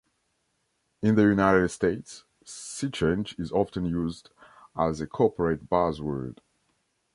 In the United States, sea-change is often used as a corporate buzzword.